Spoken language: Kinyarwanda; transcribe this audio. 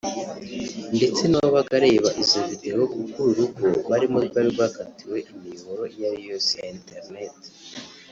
ndetse n’uwabaga areba izo video kuko uru rugo barimo rwari rwakatiwe imiyoboro iyo ariyo yose ya internet